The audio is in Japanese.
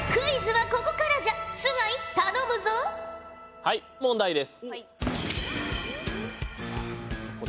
はい問題です。